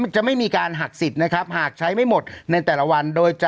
๓จะไม่มีการหักสิทธิ์หากใช้ไม่หมดในแต่ละวัน